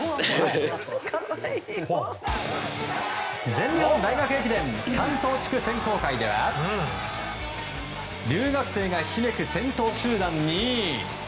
全日本大学駅伝関東地区選考会では留学生がひしめく先頭集団に。